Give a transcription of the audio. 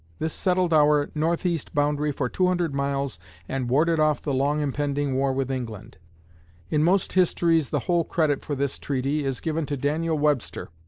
This settled our northeast boundary for 200 miles and warded off the long impending war with England. In most histories the whole credit for this treaty is given to Daniel Webster.